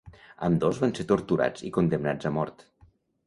Ambdós van ser torturats i condemnats a mort.